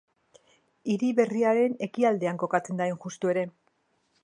Hiri Berriaren ekialdean kokatzen da hain justu ere.